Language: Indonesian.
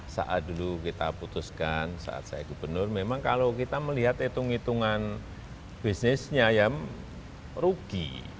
saat dulu kita putuskan saat saya gubernur memang kalau kita melihat hitung hitungan bisnisnya ya rugi